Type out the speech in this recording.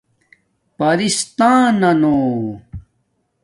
پرستاننانُو